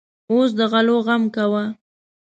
اوس د غلو غم کوه.